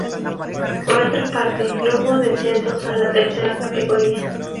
Por otra parte, no hubo descensos a la Tercera categoría.